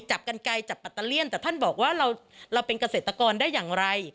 จับกันไกลจับปัตเตอร์เลี่ยนแต่ท่านบอกว่าเราเป็นเกษตรกรได้อย่างไร